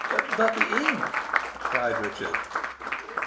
"But the ink?" cried Richard.